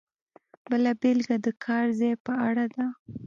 بله بېلګه د کار ځای په اړه ده.